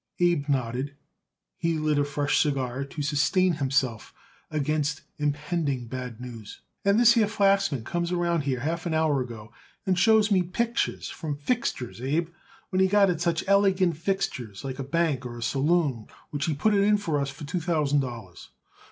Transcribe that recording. Abe nodded. He lit a fresh cigar to sustain himself against impending bad news. "And this here Flachsman comes around here half an hour ago and shows me pictures from fixtures, Abe; and he got it such elegant fixtures like a bank or a saloon, which he could put it in for us for two thousand dollars."